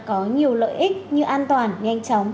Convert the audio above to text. có nhiều lợi ích như an toàn nhanh chóng